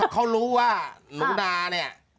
เขารู้ว่าหนูนาเนี่ย